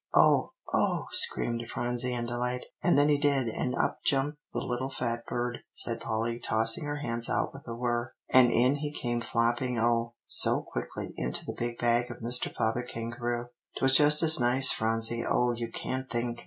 '" "Oh, oh!" screamed Phronsie in delight. "And he did, and up jumped the little fat bird," said Polly, tossing her hands out with a whir; "and in he came flopping oh, so quickly, into the big bag of Mr. Father Kangaroo. 'Twas just as nice, Phronsie, oh, you can't think!"